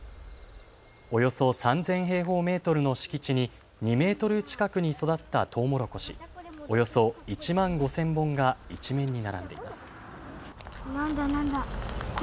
およそ３０００平方メートルの敷地に２メートル近くに育ったトウモロコシ、およそ１万５０００本が一面に並んでいます。